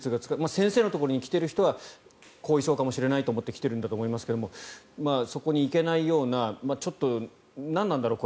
先生のところに来ている人は後遺症かもしれないと思って来ているかもしれないですがそこに行けないような何なんだろう？